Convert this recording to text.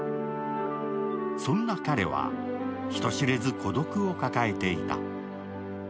そんな彼は、人知れず孤独を抱えていた。